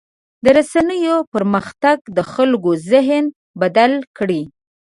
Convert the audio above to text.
د رسنیو پرمختګ د خلکو ذهن بدل کړی.